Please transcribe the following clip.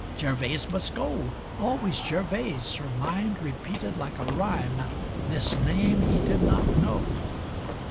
Gervase must go, always Gervase, her mind Repeated like a rhyme This name he did not know.